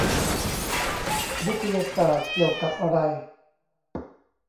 วิทยาศาสตร์เกี่ยวอะไร ?